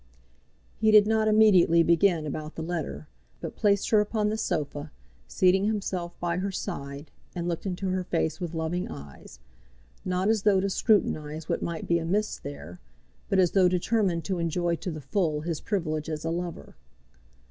He did not immediately begin about the letter, but placed her upon the sofa, seating himself by her side, and looked into her face with loving eyes, not as though to scrutinize what might be amiss there, but as though determined to enjoy to the full his privilege as a lover.